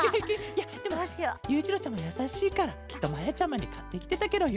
いやでもゆういちろうちゃまやさしいからきっとまやちゃまにかってきてたケロよ。